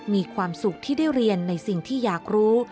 มีความสุขที่ได้เรียนในสิ่งที่อยากรู้